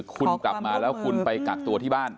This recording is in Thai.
คุณกลับมาแล้วคุณไปกักตัวที่บ้าน